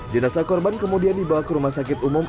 jenazah korban kemudian dibawa ke rumah sakit umum